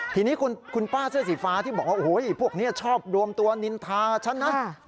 ทีนี้คุณป้าเสื้อสีฟ้าที่บอกว่าโอ้โหพวกนี้ชอบรวมตัวนินทาฉันนะ